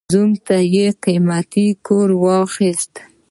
زوم ته دې قيمتي کور واخيست.